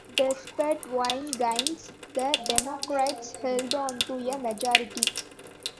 Despite Whig gains, the Democrats held on to a majority.